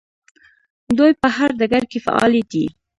دوی په هر ډګر کې فعالې دي.